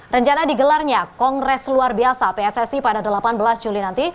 rencana digelarnya kongres luar biasa pssi pada delapan belas juli nanti